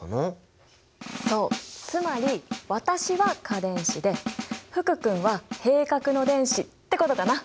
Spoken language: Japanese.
つまり私は価電子で福君は閉殻の電子ってことかな。